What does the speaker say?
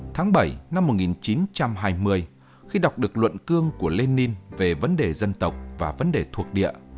tháng bảy năm một nghìn chín trăm hai mươi khi đọc được luận cương của lenin về vấn đề dân tộc và vấn đề thuộc địa